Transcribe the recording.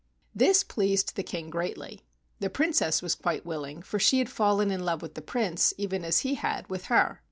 This pleased the King greatly. The Prin¬ cess was quite willing, for she had fallen in love with the Prince even as he had with her.